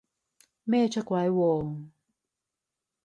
咩出軌喎？